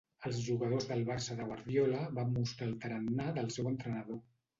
Els jugadors del Barça de Guardiola van mostrar el tarannà del seu entrenador.